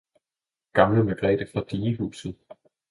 gamle Margrethe fra digehuset!